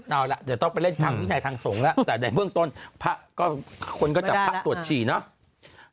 เอาละเดี๋ยวต้องไปเล่นทางที่ไหนทางส่งละแต่ในเมืองต้นคนก็จะพักตรวจฉี่เนาะ